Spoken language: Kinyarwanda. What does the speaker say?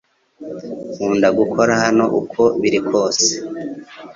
Nkunda gukora hano uko biri kose